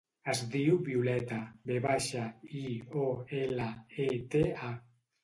Es diu Violeta: ve baixa, i, o, ela, e, te, a.